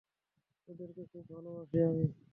ওদেরকে খুব ভালোবাসি আমি।